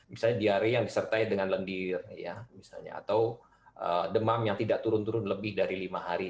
misalnya diare yang disertai dengan lendir ya misalnya atau demam yang tidak turun turun lebih dari lima hari